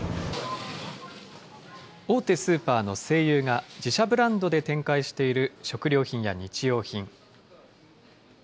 大手スーパーの西友が自社ブランドで展開している食料品や日用品。